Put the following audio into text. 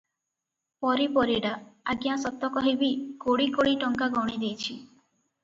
ପରି ପରିଡା- ଆଜ୍ଞା ସତ କହିବି, କୋଡ଼ି କୋଡ଼ି ଟଙ୍କା ଗଣି ଦେଇଛି ।